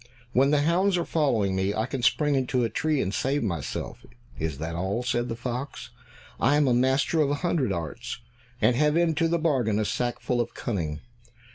"When the hounds are following me, I can spring into a tree and save myself." "Is that all?" said the fox. "I am master of a hundred arts, and have into the bargain a sackful of cunning.